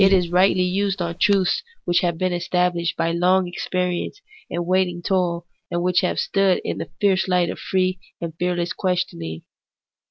It is rightly used on truths which have been established by long experience and waiting toil, and which have stood in the fierce light of free and fearless questioning.